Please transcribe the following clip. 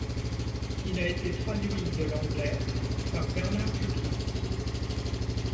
Il a été traduit de l'anglais par Bernard Cucchi.